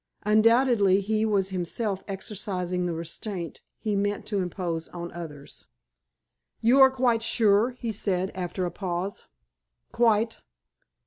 Undoubtedly, he was himself exercising the restraint he meant to impose on others. "You are quite sure?" he said, after a pause. "Quite."